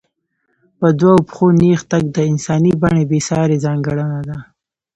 په دوو پښو نېغ تګ د انساني بڼې بېسارې ځانګړنه ده.